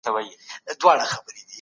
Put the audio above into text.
دولت به تولیدي چارو کي برخه واخلي.